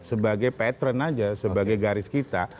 sebagai pattern aja sebagai garis kita